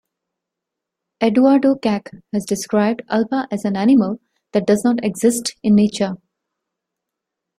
Eduardo Kac has described Alba as an animal that does not exist in nature.